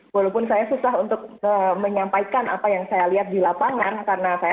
walaupun saya susah untuk menyampaikan apa yang saya lihat di lapangan karena saya